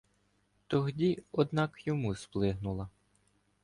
Тогді одна к йому сплигнула